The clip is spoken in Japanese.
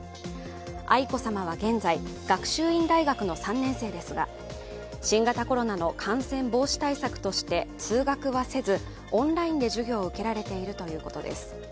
愛子さまは現在、学習院大学の３年生ですが新型コロナの感染防止対策として通学はせずオンラインで授業を受けられているということです。